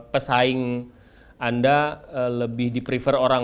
pesaing anda lebih di prefer orang